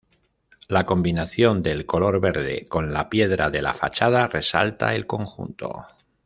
La combinación del color verde con la piedra de la fachada resalta el conjunto.